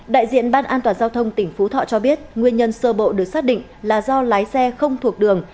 đại diện ban an toàn giao thông tỉnh phú thọ cho biết nguyên nhân sơ bộ được xác định là do lái xe không thuộc đường